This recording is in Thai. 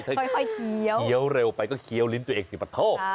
ค่อยเคี้ยวเคี้ยวเร็วไปก็เคี้ยวลิ้นตัวเองถือปะโทก